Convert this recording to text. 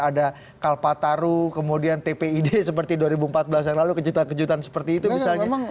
ada kalpataru kemudian tpid seperti dua ribu empat belas yang lalu kejutan kejutan seperti itu misalnya